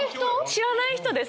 知らない人です。